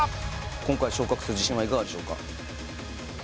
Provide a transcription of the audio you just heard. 今回昇格する自信はいかがでしょうか？